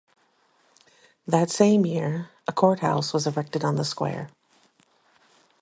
That same year, a courthouse was erected on the square.